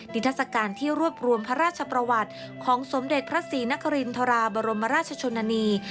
ทัศกาลที่รวบรวมพระราชประวัติของสมเด็จพระศรีนครินทราบรมราชชนนานี